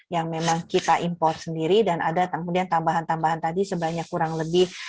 yang memang kita impor sendiri dan ada kemudian tambahan tambahan tadi sebanyak kurang lebih